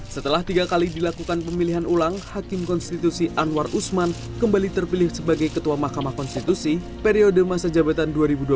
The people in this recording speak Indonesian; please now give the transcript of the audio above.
setelah tiga kali dilakukan pemilihan ulang hakim konstitusi anwar usman kembali terpilih sebagai ketua mahkamah konstitusi periode masa jabatan dua ribu dua puluh tiga dua ribu dua puluh delapan